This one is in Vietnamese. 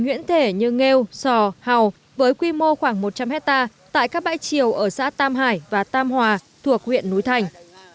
nhiễn thể như nghêu sò hào với quy mô khoảng một trăm linh hectare tại các bãi chiều ở xã tam hải và tam hòa thuộc huyện núi thành